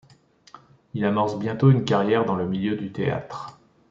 Il amorce bientôt une carrière dans le milieu du théâtre.